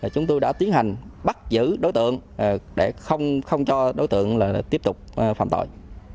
chúng tôi đã tiến hành bắt giữ đối tượng để không cho đối tượng tiếp tục phạm tội